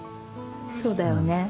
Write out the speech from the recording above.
そうだよね。